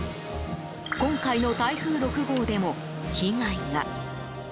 今回の台風６号でも、被害が。